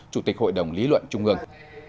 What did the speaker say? chủ tịch hội đồng lý luận trung ương